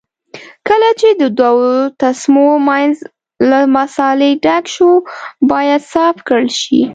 کله چې د دوو تسمو منځ له مسالې ډک شو باید صاف کړل شي.